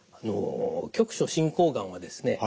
局所進行がんはですね